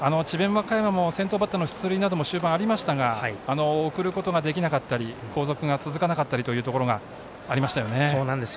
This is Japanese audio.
和歌山も先頭バッターの出塁なども終盤ありましたが送ることができなかったり後続が続かなかったりということがありましたね。